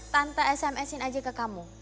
tante sms in aja ke kamu